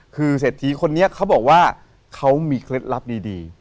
คือเศรษฐีคนนี้เขาบอกว่าเขามีเคล็ดลับดี